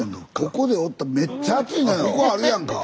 ここあるやんか。